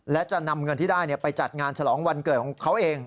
และจะนำเงินที่ได้ไปจัดงานฉลองวันเกิดของเขาเอง